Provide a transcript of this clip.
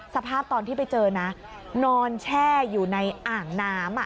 สภาพตอนที่ไปเจอนะนอนแช่อยู่ในอ่างน้ำ